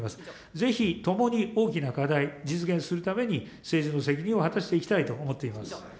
ぜひともに大きな課題、実現するために、政治の責任を果たしていきたいと思っております。